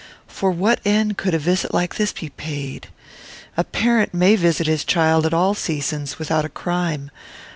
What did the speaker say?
For what end could a visit like this be paid? A parent may visit his child at all seasons, without a crime.